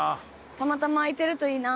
たまたま空いてるといいな。